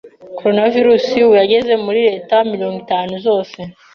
Coronavirus ubu yageze muri leta mirongo itanu zose